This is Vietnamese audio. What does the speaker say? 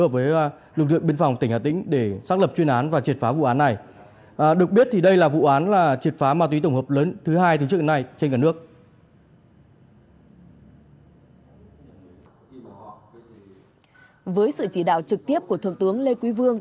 với sự chỉ đạo trực tiếp của thượng tướng lê quý vương